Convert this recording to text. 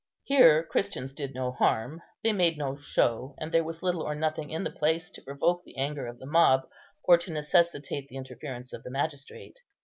Here Christians did no harm, they made no show, and there was little or nothing in the place to provoke the anger of the mob or to necessitate the interference of the magistrate.